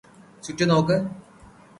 ചുറ്റും നോക്ക്